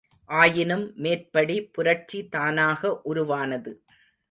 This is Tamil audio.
ஆயினும் மேற்படி புரட்சி தானாக உருவானது.